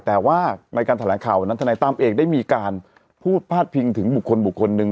แต่ว่าในการแถลงข่าววันนั้นธนายตั้มเองได้มีการพูดพาดพิงถึงบุคคลบุคคลหนึ่ง